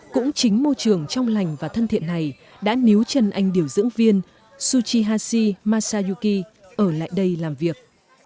cũng chính môi trường trong lành và thân thiện này đã níu chân anh điều dưỡng viên suchihashi masayuki ở lại đây làm việc